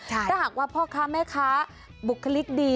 ถ้าหากว่าพ่อค้าแม่ค้าบุคลิกดี